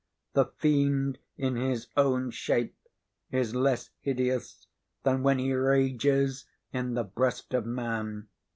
The fiend in his own shape is less hideous than when he rages in the breast of man.